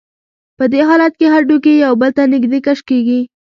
په دې حالت کې هډوکي یو بل ته نږدې کش کېږي.